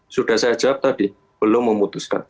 sudah saya jawab tadi belum memutuskan